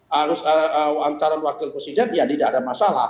harus calon wakil presiden ya tidak ada masalah